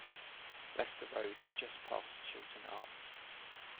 Leicester Road is just past the Shilton arms.